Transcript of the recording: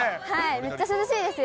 めっちゃ涼しいですよ。